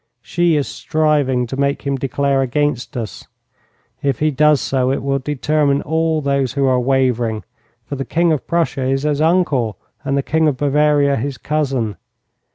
She is striving to make him declare against us. If he does so, it will determine all those who are wavering, for the King of Prussia is his uncle and the King of Bavaria his cousin.